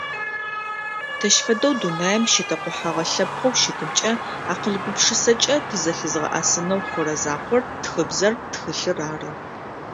Тэщ фэдэу дунаим щитэкъухьэгъэ лъэпкъэу щытымкӏэ акъыл-гупшысэкӏэ тызэлъызыгъэӏасынэу хъурэ закъор тхыбзэр, тхылъыр ары.